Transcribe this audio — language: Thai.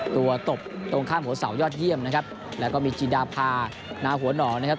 ตบตรงข้ามหัวเสายอดเยี่ยมนะครับแล้วก็มีจินดาพานาหัวหนองนะครับ